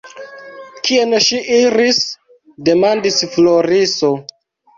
Kien ŝi iris? demandis Floriso.